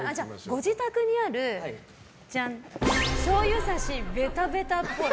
ご自宅にあるしょうゆさし、ベタベタっぽい。